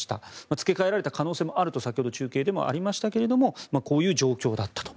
付け替えられた可能性もあると先ほど、中継でもありましたがこういう状況だったと。